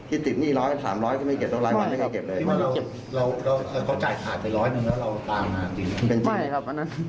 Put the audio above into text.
ที่สิบหนี้๑๐๐ฯถ้า๓๐๐ฯไม่เก็บเท่าไรว่าไม่เคยเก็บเลย